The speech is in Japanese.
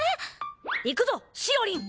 いくぞしおりん！